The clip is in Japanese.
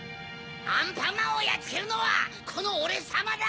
アンパンマンをやっつけるのはこのオレさまだ！